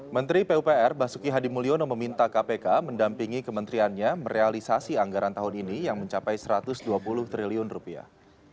menteri pupr basuki hadimulyono meminta kpk mendampingi kementeriannya merealisasi anggaran tahun ini yang mencapai satu ratus dua puluh triliun rupiah